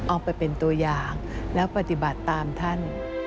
เอาไปเป็นตัวอย่างแล้วปฏิบัติตามท่าน